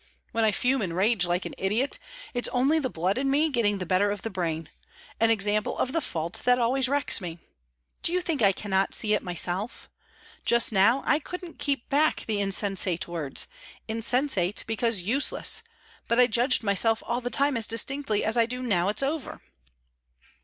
When I fume and rage like an idiot, that's only the blood in me getting the better of the brain; an example of the fault that always wrecks me. Do you think I cannot see myself? Just now, I couldn't keep back the insensate words insensate because useless but I judged myself all the time as distinctly as I do now it's over."